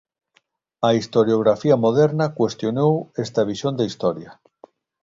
A historiografía moderna cuestionou esta visión da historia.